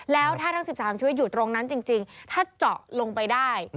แล้วถ้าทั้ง๑๓ชีวิตอยู่ตรงนั้นจริงถ้าเจาะลงไปได้